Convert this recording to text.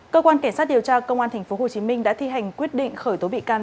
cơ quan cảnh sát điều tra công an tp hcm đã thi hành quyết định khởi tố bị can